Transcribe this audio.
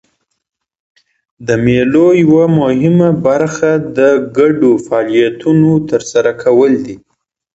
د مېلو یوه مهمه برخه د ګډو فعالیتونو ترسره کول دي.